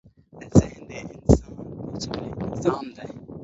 ذهن د انسان پېچلی نظام دی.